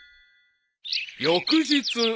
［翌日］